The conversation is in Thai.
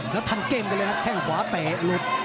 แล้วทันเกมไปเลยนะแข้งขวาเตะหลุด